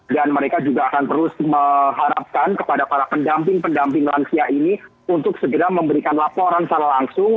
dan mereka juga akan terus mengharapkan kepada para pendamping pendamping lansia ini untuk segera memberikan laporan secara langsung